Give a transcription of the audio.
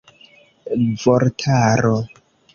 vortaro